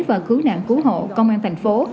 và khu nạn cứu hộ công an thành phố